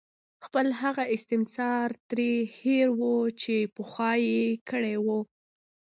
خپل هغه استثمار ترې هېر وو چې پخوا یې کړې وه.